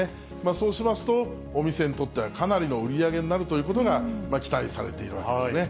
そうしますと、お店にとってはかなりの売り上げになるということが期待されているわけですね。